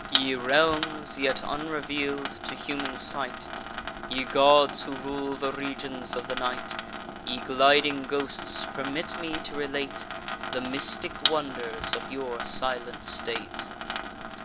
Ye realms, yet unreveal'd to human sight, Ye gods who rule the regions of the night, Ye gliding ghosts, permit me to relate The mystic wonders of your silent state!